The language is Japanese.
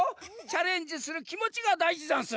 チャレンジするきもちがだいじざんす！